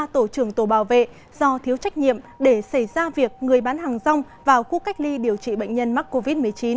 tổ trưởng tổ bảo vệ do thiếu trách nhiệm để xảy ra việc người bán hàng rong vào khu cách ly điều trị bệnh nhân mắc covid một mươi chín